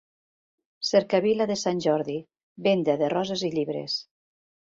Cercavila de Sant Jordi, venda de roses i llibres.